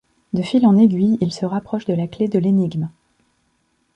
De fil en aiguille, il se rapproche de la clé de l'énigme.